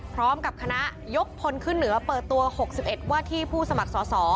พร้อมกับคณะยกพลขึ้นเหนือเปิดตัว๖๑ว่าที่ผู้สมัครสอสอ